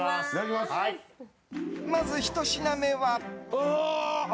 まず、ひと品目は。